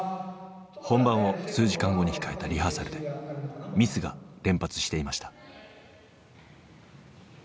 本番を数時間後に控えたリハーサルでミスが連発していました。